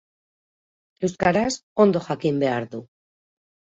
Euskaraz ondo jakin behar du.